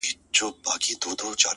o زما خوله كي شپېلۍ اشنا ـ